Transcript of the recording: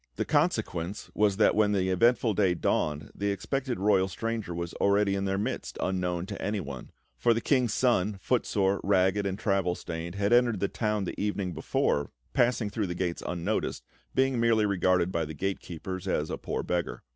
The consequence was that when the eventful day dawned, the expected royal stranger was already in their midst, unknown to anyone; for the King's Son, footsore, ragged, and travel stained, had entered the town the evening before, passing through the gates unnoticed, being merely regarded by the gate keepers as a poor beggar.